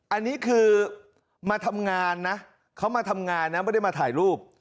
อันนี้คือมาทำงานนะเขามาทำงานนะไม่ได้มาถ่ายรูป